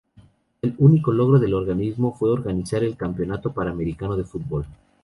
El único logro del organismo fue organizar el Campeonato Panamericano de Fútbol.